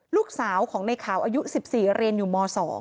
ลูกสาวของในขาวอายุ๑๔เรียนอยู่ม๒